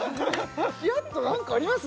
ヒヤッと何かあります？